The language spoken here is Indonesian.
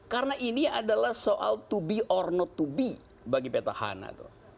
karena ini adalah soal to be or not to be bagi peter hana